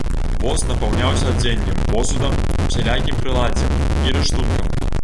Воз напаўняўся адзеннем, посудам, усялякім прыладдзем і рыштункам.